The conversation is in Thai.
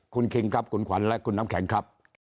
คุณคิงครับคุณขวัญและคุณน้ำแข็งครับ